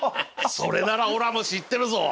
それならおらも知ってるぞ。